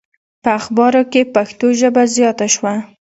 په اخبارونو کې پښتو ژبه زیاته شوه.